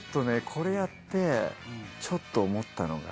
これやってちょっと思ったのが。